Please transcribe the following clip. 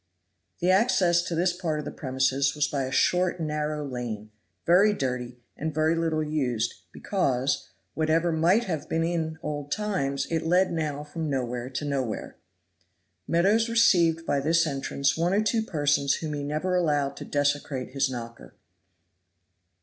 The access to this part of the premises was by a short, narrow lane, very dirty and very little used, because, whatever might have been in old times, it led now from nowhere to nowhere. Meadows received by this entrance one or two persons whom he never allowed to desecrate his knocker.